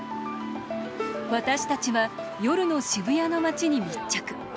私たちは夜の渋谷の街に密着。